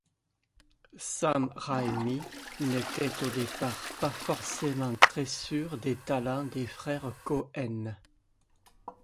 Sam Raimi n'était au départ pas forcément très sûr des talents des frères Coen.